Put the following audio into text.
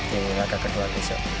jadi laga kedua besok